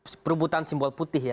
sebutan simbol putih ya